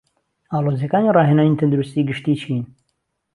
ئاڵۆزیەکانی ڕاهێنانی تەندروستی گشتی چین؟